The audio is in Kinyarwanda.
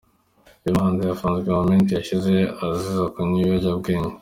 Uyu muhanzi yafunzwe mu minsi yashize azira kunywa ibiyobyabwenge.